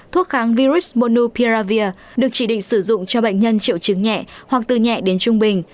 thuốc kháng virus monupiravir được chỉ định sử dụng cho bệnh nhân triệu chứng nhẹ hoặc từ nhẹ đến trung bình